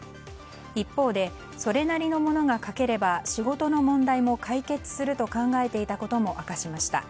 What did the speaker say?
一方でそれなりのものが書ければ仕事の問題も解決すると考えていたことも明かしました。